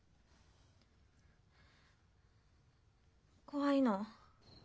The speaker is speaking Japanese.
怖いの。